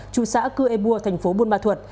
chú xã cư ê bua thành phố buôn ma thuật